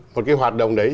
một cái hoạt động đấy